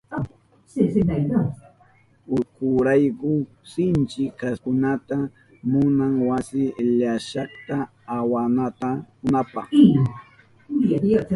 Urkunrayku sinchi kaspikunata munan wasi llashata awantanankunapa.